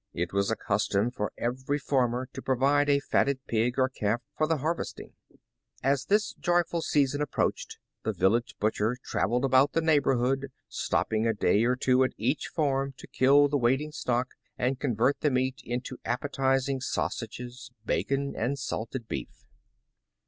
It was a custom for every farmer to provide a fatted pig or calf for the harvest ing. As this joyful season approached, the village butcher traveled about the neighborhood, stopping a day or two at each farm to kill the waiting stock, and convert the meat into appetizing sausages, bacon, and «alted beef.